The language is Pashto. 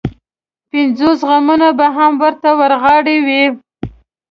پنځوس غمونه به هم ورته ورغاړې وي.